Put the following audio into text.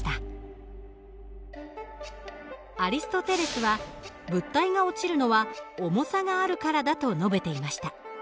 アリストテレスは物体が落ちるのは重さがあるからだと述べていました。